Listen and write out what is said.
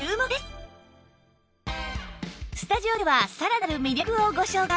スタジオではさらなる魅力をご紹介